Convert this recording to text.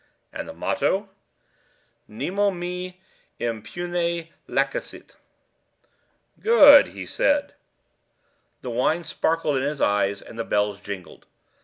"And the motto?" "Nemo me impune lacessit." "Good!" he said. The wine sparkled in his eyes and the bells jingled.